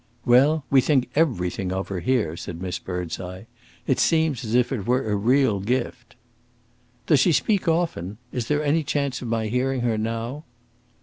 "Well, we think everything of her here," said Miss Birdseye. "It seems as if it were a real gift." "Does she speak often is there any chance of my hearing her now?"